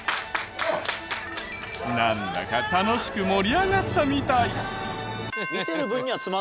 なんだか楽しく盛り上がったみたい。